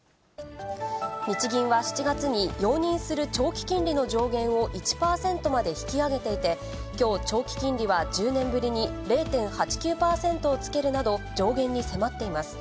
日銀は７月に、容認する長期金利の上限を１％まで引き上げていて、きょう、長期金利は１０年ぶりに０．８９％をつけるなど、上限に迫っています。